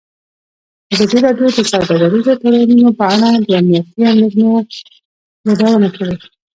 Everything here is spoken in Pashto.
ازادي راډیو د سوداګریز تړونونه په اړه د امنیتي اندېښنو یادونه کړې.